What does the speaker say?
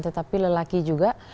tetapi lelaki juga